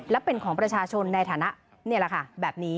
และเป็นของประชาชนในฐานะแบบนี้